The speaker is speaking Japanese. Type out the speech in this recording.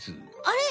あれ？